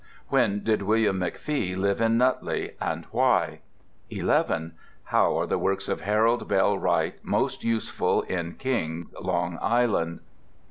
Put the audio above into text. When did William McFee live in Nutley, and why? 11. How are the works of Harold Bell Wright most useful in Kings, Long Island?